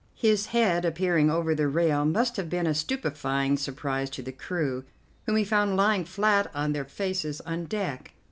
His head appearing over the rail must have been a stupefying surprise to the crew, whom he found lying flat on their faces on deck.